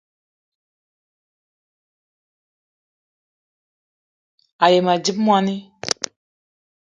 A yi ma dzip moni